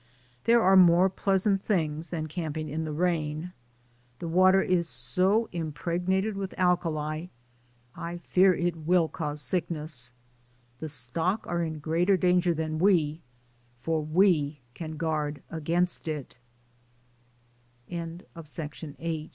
There are more pleasant things than camping in the rain. The water is so impregnated with alkali I fear it will cause sickness ; the stock are in greater danger than we, for we can